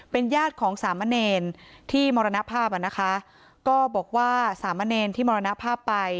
เป็นญาติของสามะเนรที่มรณภาพอ่ะนะคะก็บอกว่าสามะเนรที่มรณภาพไป